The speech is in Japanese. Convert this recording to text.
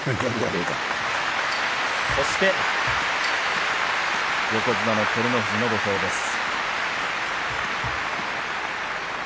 そして横綱照ノ富士の土俵です。